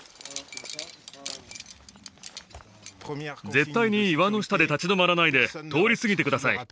絶対に岩の下で立ち止まらないで通り過ぎて下さい。